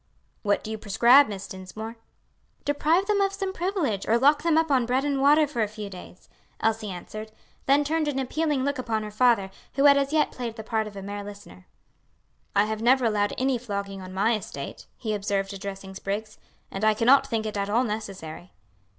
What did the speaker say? "What do you prescribe, Miss Dinsmore?" "Deprive them of some privilege, or lock them up on bread and water for a few days," Elsie answered; then turned an appealing look upon her father, who had as yet played the part of a mere listener. "I have never allowed any flogging on my estate," he observed, addressing Spriggs, "and I cannot think it at all necessary."